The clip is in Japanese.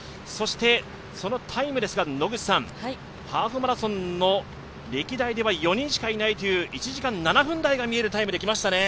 そして、そのタイムですがハーフマラソンの歴代では４人しかいないという１時間７分台が見えるタイムできました。